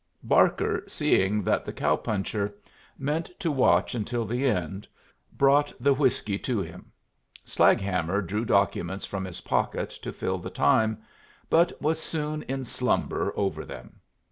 Barker, seeing that the cow puncher meant to watch until the end, brought the whiskey to him. Slaghammer drew documents from his pocket to fill the time, but was soon in slumber over them.